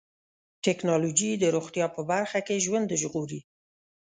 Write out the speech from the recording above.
ټکنالوجي د روغتیا په برخه کې ژوند ژغوري.